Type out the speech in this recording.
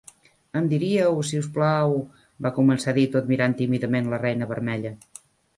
"Em diríeu, si us plau..." va començar a dir, tot mirant tímidament la Reina Vermella.